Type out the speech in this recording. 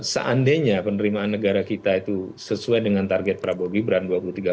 seandainya penerimaan negara kita itu sesuai dengan target prabowo gibran dua puluh tiga